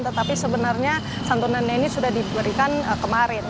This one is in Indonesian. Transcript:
tetapi sebenarnya santunannya ini sudah diberikan kemarin